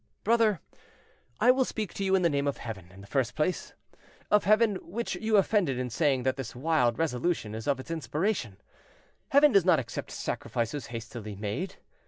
"Brother, I will speak to you in the name of Heaven, in the first place; of Heaven, which you offend in saying that this wild resolution is of its inspiration. Heaven does not accept sacrifices hastily made.